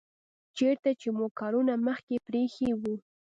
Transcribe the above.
چیرته چې مو کلونه مخکې پریښی و